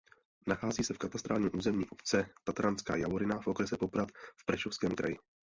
Nachází se v katastrálním území obce Tatranská Javorina v okrese Poprad v Prešovském kraji.